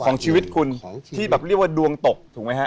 ของชีวิตคุณที่แบบเรียกว่าดวงตกถูกไหมฮะ